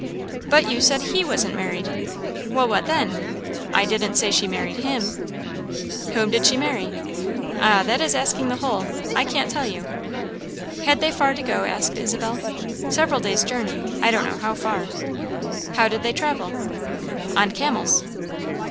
"But you said he wasn't married?" "Well, what then? I didn't say she married him." "Whom did she marry?" "Ah, that is asking the whole; I can't tell you." "Had they far to go?" asked Isabel. "Several days' journey I don't know how far." "How did they travel?" "On camels."